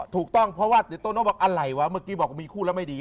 ถูกต้องเพราะว่าเดี๋ยวโตโน่บอกอะไรวะเมื่อกี้บอกมีคู่แล้วไม่ดี